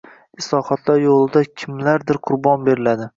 – islohotlar yo‘lida nimalardir qurbon beriladi